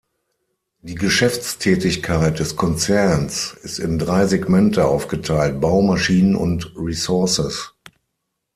Die Geschäftstätigkeit des Konzerns ist in drei Segmente aufgeteilt: Bau, Maschinen und Resources.